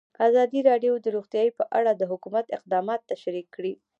ازادي راډیو د روغتیا په اړه د حکومت اقدامات تشریح کړي.